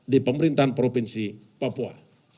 di pemerintahan provinsi papua